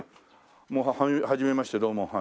もうはじめましてどうも。